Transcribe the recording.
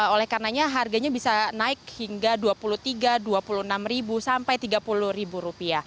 oleh karenanya harganya bisa naik hingga rp dua puluh tiga rp dua puluh enam